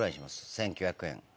１９００円。